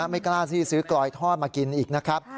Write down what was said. ไม่กล้าที่ซื้อกลอยทอดมากินอีกนะครับ